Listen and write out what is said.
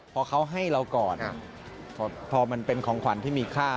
พอเขาให้เราก่อนพอมันเป็นของขวัญที่มีค่า